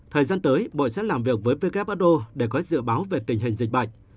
thời gian tới bộ sẽ làm việc với who để có dự báo về tình hình dịch bệnh